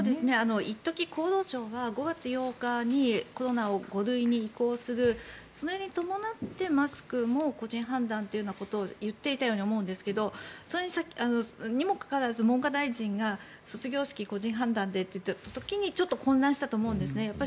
一時、厚労省が５月８日にコロナを５類に移行するそれに伴ってマスクも個人判断というようなことを言っていたと思いますがにもかかわらず文科大臣が卒業式は個人判断でと言った時にちょっと混乱したと思うんです。